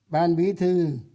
ban bí thư